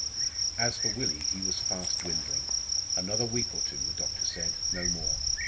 As for Willie, he was fast dwindling. Another week or two the doctor said no more.